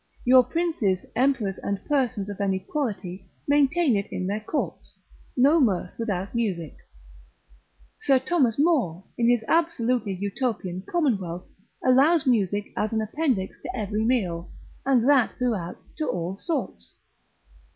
Your princes, emperors, and persons of any quality, maintain it in their courts; no mirth without music. Sir Thomas More, in his absolute Utopian commonwealth, allows music as an appendix to every meal, and that throughout, to all sorts.